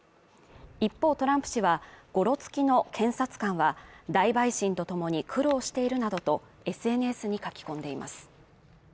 一方トランプ氏はごろつきの検察官は、大陪審と共に苦労しているなどとＳＮＳに書き込んでいます。